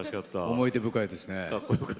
思い出深いですね。